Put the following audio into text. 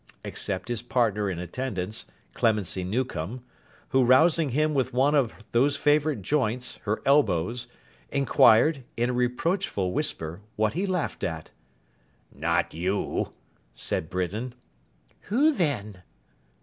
Except his partner in attendance, Clemency Newcome; who rousing him with one of those favourite joints, her elbows, inquired, in a reproachful whisper, what he laughed at. 'Not you!' said Britain. 'Who then?